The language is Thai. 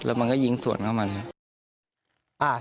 แล้วมันก็ยิงสวนเข้ามาเลย